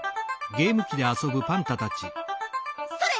それ！